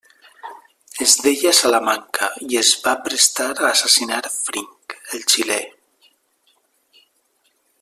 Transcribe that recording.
Es deia Salamanca i es va prestar a assassinar Fring, el xilè.